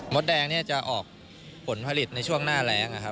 มดแดงจะออกผลผลิตในช่วงหน้าแรง